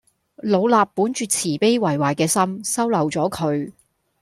老衲本住慈悲為懷嘅心，收留咗佢